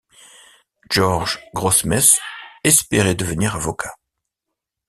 George Grossmith espérait devenir avocat.